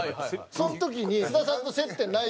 その時に津田さんと接点ない。